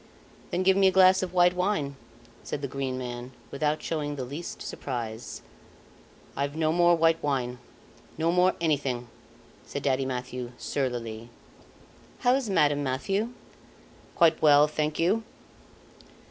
"Then give me a glass of white wine," said the Green Man, without showing the least surprise. "I've no more white wine no more anything," said Daddy Mathieu, surlily. "How is Madame Mathieu?" "Quite well, thank you."